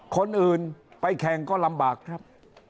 คนอื่นไปแข่งก็ลำบากครับ